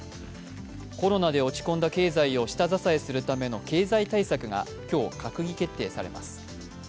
コロナで落ち込んだ経済を下支えするための経済対策が今日閣議決定されます。